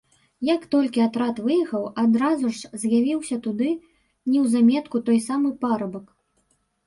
Як толькі атрад выехаў, адразу ж з'явіўся туды, неўзаметку, той самы парабак.